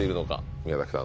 宮崎さん